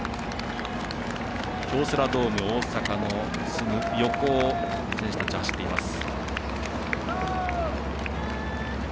京セラドーム大阪のすぐ横を選手たちは走っています。